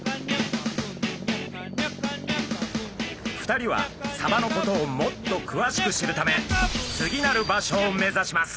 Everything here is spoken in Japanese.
２人はサバのことをもっとくわしく知るため次なる場所を目指します。